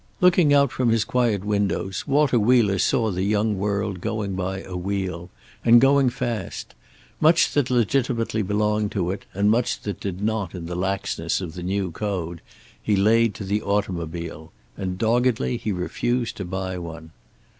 Looking out from his quiet windows Walter Wheeler saw the young world going by a wheel, and going fast. Much that legitimately belonged to it, and much that did not in the laxness of the new code, he laid to the automobile. And doggedly he refused to buy one.